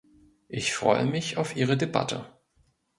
Ich freue mich auf Ihre Debatte.